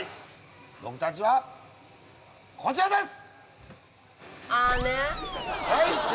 僕たちはこちらです